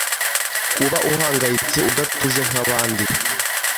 kuba uhangayitse udatuje nkabandi